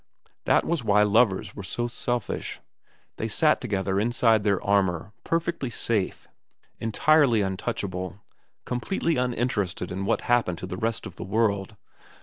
That was why lovers were so selfish. They sat together inside their armour perfectly safe, entirely untouchable, completely uninterested in what happened to the rest of the world.